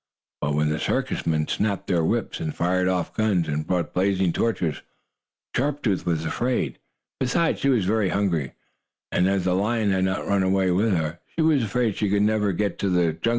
But when the circus men snapped their whips, and fired off guns, and brought blazing torches, Sharp Tooth was afraid. Besides, she was very hungry, and as the lion had not run away with her, she was afraid she could never get to the jungle alone.